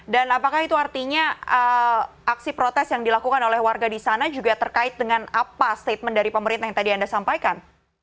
dan apakah itu artinya aksi protes yang dilakukan oleh warga di sana juga terkait dengan apa statement dari pemerintah yang tadi anda sampaikan